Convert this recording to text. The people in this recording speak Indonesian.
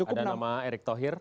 ada nama erik thohir